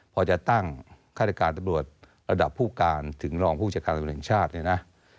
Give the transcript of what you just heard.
พอจะตั้งฆาตการตรระดับผู้การถึงรองผู้จัดการธรรมชาติเนี่ยนะ